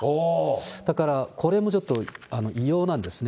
だからこれもちょっと異様なんですね。